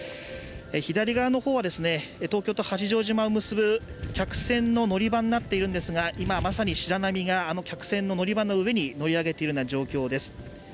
左側の方は東京と八丈島を結ぶ客船の乗り場になっているんですが今、まさに白波があの客船の乗り場の上に乗り上げているような状況です。